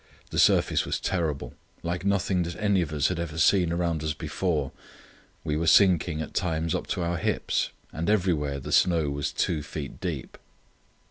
The surface was terrible—like nothing that any of us had ever seen around us before. We were sinking at times up to our hips, and everywhere the snow was two feet deep.